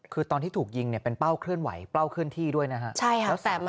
คือตอนที่ถูกยิงเนี่ยเป็นเป้าเคลื่อนไหวเป้าเคลื่อนที่ด้วยนะฮะ